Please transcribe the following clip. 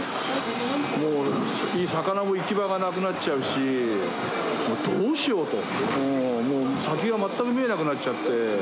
もう魚も行き場がなくなっちゃうし、どうしようと、もう先が全く見えなくなっちゃって。